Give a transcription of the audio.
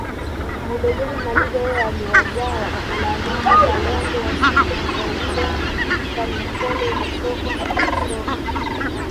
Mudegela Maliga yeye aliwazaa Lalika Kalongole Wisiko Kipaule Mkanumkole Lusoko na Mwakisonga